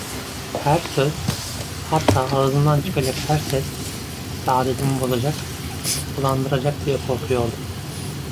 Her söz, hatta ağzımdan çıkacak her ses, saadetimi bozacak, bulandıracak diye korkuyordum.